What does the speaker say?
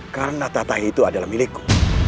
karena tahta itu adalah milikku